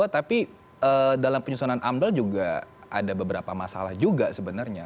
tapi dalam penyusunan amdal juga ada beberapa masalah juga sebenarnya